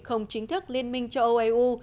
không chính thức liên minh cho oeu